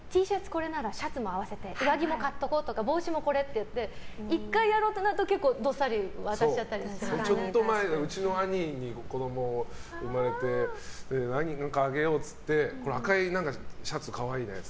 これならシャツも合わせて上着も買っておこう帽子はこれってなって１回やろうってなると結構どっさりちょっと前うちの兄に子供が生まれて何かあげようって赤いシャツ可愛いねって。